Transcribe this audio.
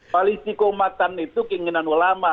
koalisi keumatan itu keinginan ulama